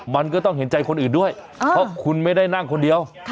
มันก็ต้องเห็นใจคนอื่นด้วยเพราะคุณไม่ได้นั่งคนเดียว